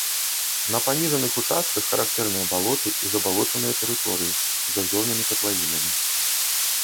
На паніжаных участках характэрныя балоты і забалочаныя тэрыторыі з азёрнымі катлавінамі.